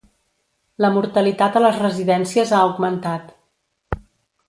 La mortalitat a les residències ha augmentat.